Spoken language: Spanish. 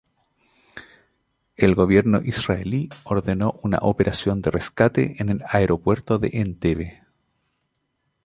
El Gobierno israelí ordenó una operación de rescate en el aeropuerto de Entebbe.